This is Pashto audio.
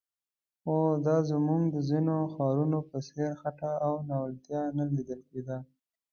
خو د زموږ د ځینو ښارونو په څېر خټه او ناولتیا نه لیدل کېده.